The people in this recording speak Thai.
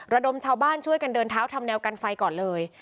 ระดมชาวบ้านช่วยกันเดินเท้าทำแนวกันไฟก่อนเลย